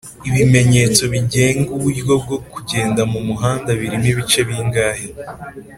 ibimenyetso bigenga uburyo bwo kugenda mumuhanda birimo ibice bingahe